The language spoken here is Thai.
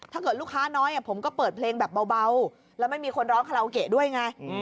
ถ้าเกิดลูกค้าน้อยผมก็เปิดเพลงแบบเบาแล้วไม่มีคนร้องคาราโอเกะด้วยไง